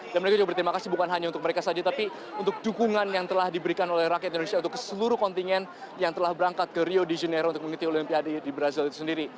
dan mereka juga berterima kasih bukan hanya untuk mereka saja tapi untuk dukungan yang telah diberikan oleh rakyat indonesia untuk seluruh kontinen yang telah berangkat ke rio de janeiro untuk mengikuti olimpiade di brazil itu sendiri